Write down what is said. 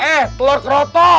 eh telur kerotok